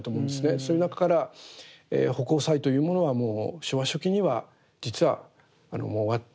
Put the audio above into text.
そういう中から葆光彩というものはもう昭和初期には実はもう終わって。